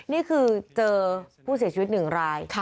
นี่คือเจอผู้เสียชีวิตหนึ่งราย